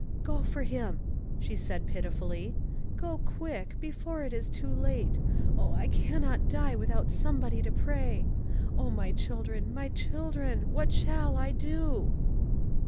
" Go for him," she said pitifully. " Go quick, before it is too late. Oh, I cannot die without somebody to pray. Oh, my children, my chil dren, what shall I do